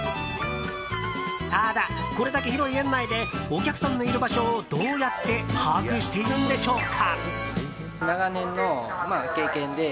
ただ、これだけ広い園内でお客さんのいる場所をどうやって把握しているんでしょうか。